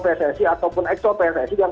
pssi ataupun exo pssi yang